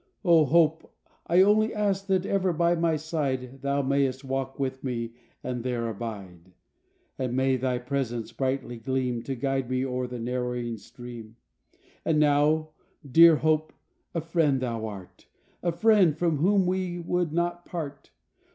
0 Hope! I only ask that ever by my side, Thou may'st walk with me and there abide, And may thy presence brightly gleam To guide me o'er the narrowing stream. And now dear Hope, a friend thou art, A friend from whom we would not part.